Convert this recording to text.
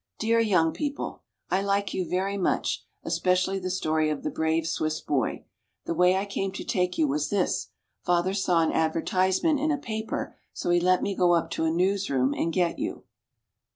DEAR "YOUNG PEOPLE," I like you very much, especially the story of the "Brave Swiss Boy." The way I came to take you was this: father saw an advertisement in a paper, so he let me go up to a newsroom and get you.